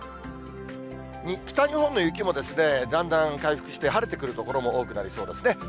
北日本の雪もだんだん回復して、晴れてくる所も多くなりそうですね。